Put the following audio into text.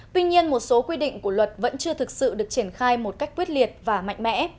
tuy nhiên một số quy định của luật vẫn chưa thực sự được triển khai một cách quyết liệt và mạnh mẽ